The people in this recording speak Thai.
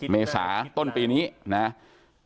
เมษาต้นปีนี้นะครับ